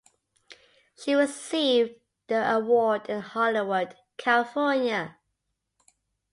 She received the award in Hollywood, California.